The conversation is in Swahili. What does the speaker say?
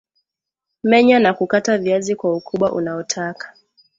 menya na kukata viazi kwa ukubwa unaotaka